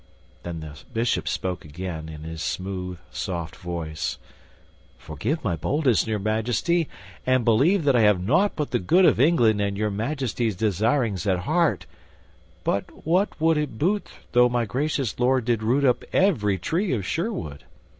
Then the Bishop spoke again, in his soft, smooth voice: "Forgive my boldness, Your Majesty, and believe that I have nought but the good of England and Your Majesty's desirings at heart; but what would it boot though my gracious lord did root up every tree of Sherwood?